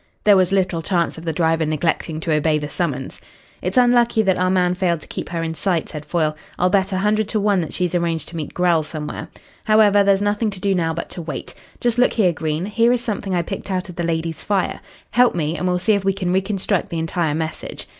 There was little chance of the driver neglecting to obey the summons. "It's unlucky that our man failed to keep her in sight," said Foyle. "I'll bet a hundred to one that she's arranged to meet Grell somewhere. However, there's nothing to do now but to wait. Just look here, Green. Here is something I picked out of the lady's fire. Help me and we'll see if we can reconstruct the entire message."